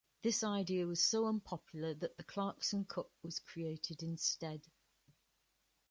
This idea was so unpopular that the Clarkson Cup was created instead.